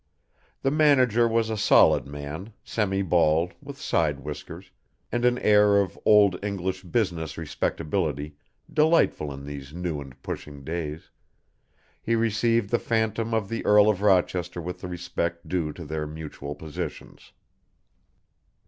The manager was a solid man, semi bald, with side whiskers, and an air of old English business respectability delightful in these new and pushing days, he received the phantom of the Earl of Rochester with the respect due to their mutual positions.